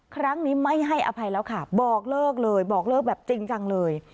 ครั้งนี้ไม่ให้อภัยแล้วค่ะบอกเลิกเลยบอกเลิกแบบจริงจังเลย